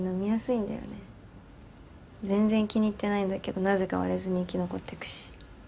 全然気に入ってないんだけどなぜか割れずに生き残ってくし。